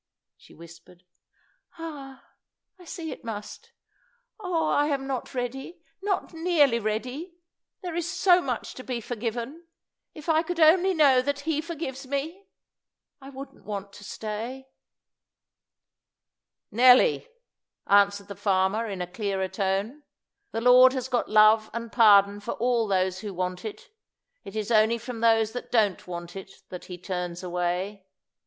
she whispered. "Ah, I see it must! Oh, I'm not ready not nearly ready. There's so much to be forgiven; if I could only know that He forgives me, I wouldn't want to stay." "Nelly!" answered the farmer in a clearer tone, "the Lord has got love and pardon for all those who want it. It's only from those that don't want it that He turns away.